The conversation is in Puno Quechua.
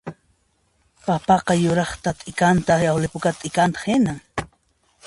Papaqa yuraqta t'ikantaq llawli pukata t'ikantaq hinan